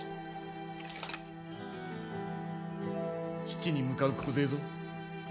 死地に向かう小勢ぞ。